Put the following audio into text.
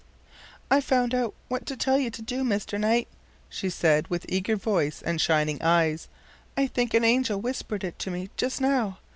"I've found out what to tell you to do, Mr. Knight," she said, with eager voice and shining eyes. "I think an angel whispered it to me just now.